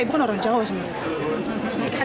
ibu kan orang jawa sebenarnya